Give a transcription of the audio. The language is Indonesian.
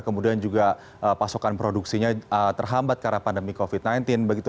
kemudian juga pasokan produksinya terhambat karena pandemi covid sembilan belas begitu